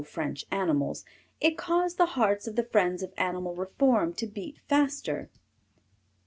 French Animals, it caused the hearts of the friends of Animal Reform to beat faster.